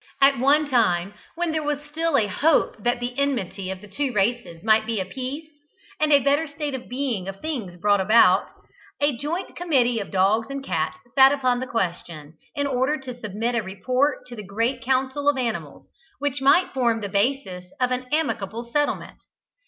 At one time, when there was still a hope that the enmity of the two races might be appeased, and a better state of things brought about, a joint committee of dogs and cats sat upon the question, in order to submit a report to the great council of animals, which might form the basis of an amicable settlement.